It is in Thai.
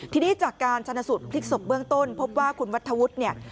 ทีนี้จากการชนะสูตรพลิกศพเบื้องต้นพบว่าคุณวัฒวุฒิเนี่ย